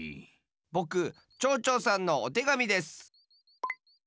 ぼくちょうちょうさんのおてがみです。